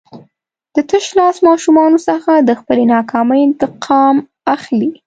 د تشلاس ماشومانو څخه د خپلې ناکامۍ انتقام اخلي.